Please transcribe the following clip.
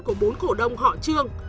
của bốn cổ đông họ trương